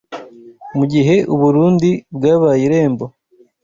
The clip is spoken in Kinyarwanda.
mu gihe u Burundi bwabaye irembo